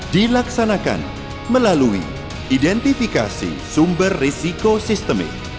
dilaksanakan melalui identifikasi sumber risiko sistemik